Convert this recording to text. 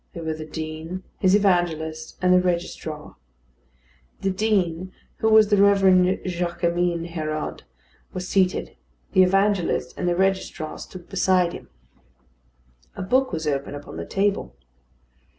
They were the Dean, his evangelist, and the registrar. The Dean, who was the Reverend Jaquemin Hérode, was seated; the evangelist and the registrar stood beside him. A book was open upon the table.